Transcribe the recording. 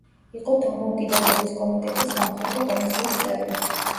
იყო „დამოუკიდებლობის კომიტეტის“ სამხედრო კომისიის წევრი.